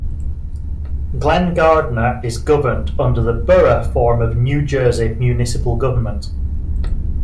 Glen Gardner is governed under the Borough form of New Jersey municipal government.